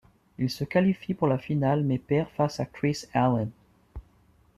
Il se qualifie pour la finale mais perd face à Kris Allen.